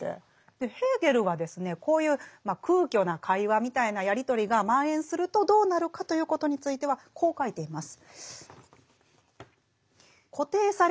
ヘーゲルはこういう空虚な会話みたいなやり取りが蔓延するとどうなるかということについてはこう書いています。